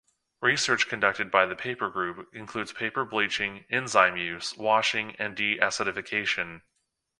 Research conducted by the Paper Group includes paper bleaching, enzyme use, washing, and de-acidification.